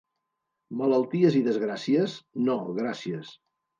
Malalties i desgràcies? No gràcies.